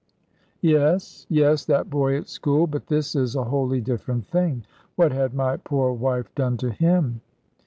"Yes, yes, that boy at school. But this is a wholly different thing what had my poor wife done to him?"